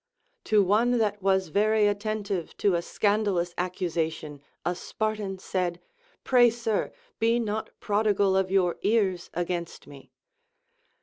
To one that was very attentive to a scandal ous accusation a Spartan said, Pray, sir, be not prodigal of your ears against me.